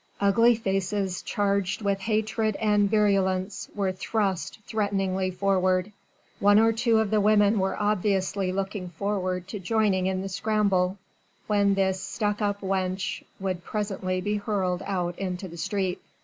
Ugly faces charged with hatred and virulence were thrust threateningly forward one or two of the women were obviously looking forward to joining in the scramble, when this "stuck up wench" would presently be hurled out into the street.